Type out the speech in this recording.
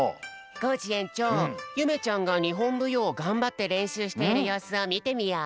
コージえんちょうゆめちゃんがにほんぶようをがんばってれんしゅうしてるようすをみてみよう。